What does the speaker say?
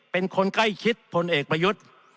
เป็นคนใกล้ชิดพลเอกประยุทธ์